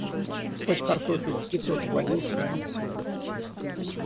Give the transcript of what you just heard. Хоть картофель — и тот вводился у нас силой.